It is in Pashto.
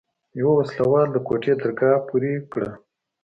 يوه وسله وال د کوټې درګاه پورې کړه.